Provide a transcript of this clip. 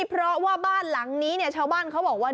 เพราะว่าบ้านหลังนี้ชาวบ้านเขาบอกว่า